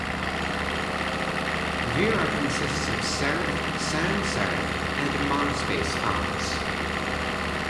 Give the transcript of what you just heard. Vera consists of serif, sans-serif, and monospace fonts.